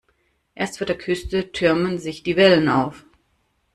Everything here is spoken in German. Erst vor der Küste türmen sich die Wellen auf.